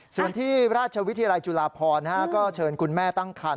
ส่วนที่ราชวิทยาลัยจุฬาพรก็เชิญคุณแม่ตั้งคัน